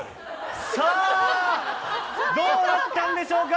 さあ、どうなったんでしょうか。